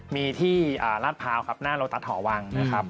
มีที่ลาดพร้าวครับหน้าโลตัสหอวังนะครับ